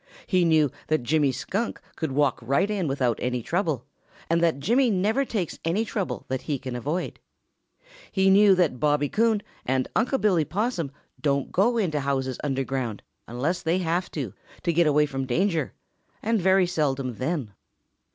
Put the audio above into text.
He knew that Jimmy Skunk could walk right in without any trouble, and that Jimmy never takes any trouble that he can avoid. He knew that Bobby Coon and Unc' Billy Possum don't go into houses underground unless they have to, to get away from danger, and very seldom then.